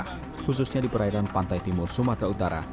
khususnya di perairan pantai timur sumatera utara